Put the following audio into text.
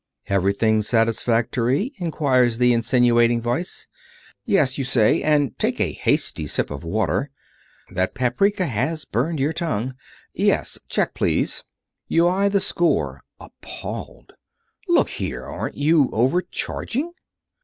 "Everything satisfactory?" inquires the insinuating Voice. "Yes," you say, and take a hasty sip of water. That paprika has burned your tongue. "Yes. Check, please." You eye the score, appalled. "Look here! Aren't you over charging!"